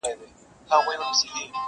نور د ټولو كيسې ټوكي مسخرې وې!.